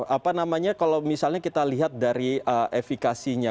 apa namanya kalau misalnya kita lihat dari efikasinya